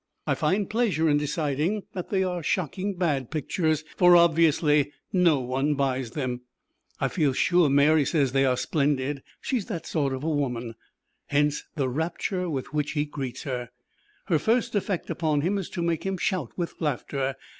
I find pleasure in deciding that they are shocking bad pictures, for obviously no one buys them. I feel sure Mary says they are splendid, she is that sort of woman. Hence the rapture with which he greets her. Her first effect upon him is to make him shout with laughter.